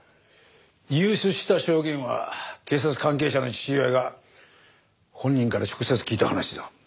入手した証言は警察関係者の父親が本人から直接聞いた話だ。